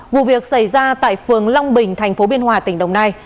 vụ việc xảy ra tại phường long bình thành phố biên hòa tỉnh đồng nai